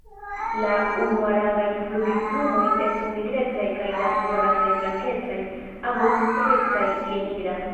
La unuarangaj flugilplumoj estas nigrecaj kaj la duarangaj blankecaj, ambaŭ striecaj je nigra.